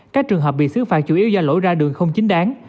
các trường hợp bị xứ phạt chủ yếu do lỗi ra đường không chính đáng